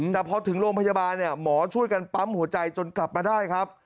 แต่พอถึงโรงพยาบาลหมอช่วยกันปั๊มหัวใจจนกลับมาได้ครับ